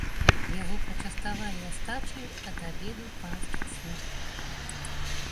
Яго пачаставалі астачаю ад абеду панскіх слуг.